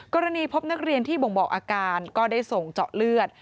กรณีพบนักเรียนที่บ่งบอกอาการก็ได้ส่งเจาะเลือด